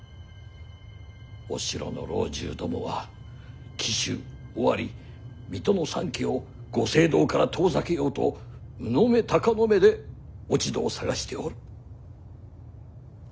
お城の老中どもは紀州尾張水戸の三家をご政道から遠ざけようと「鵜の目鷹の目」で落ち度を探しておる。